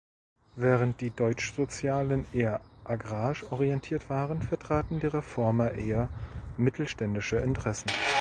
Während die Deutschsozialen eher agrarisch orientiert waren, vertraten die "Reformer" eher mittelständische Interessen.